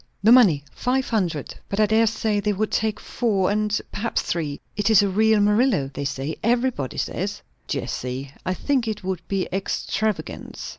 "The money. Five hundred. But I dare say they would take four, and perhaps three. It is a real Murillo, they say. Everybody says." "Jessie, I think it would be extravagance."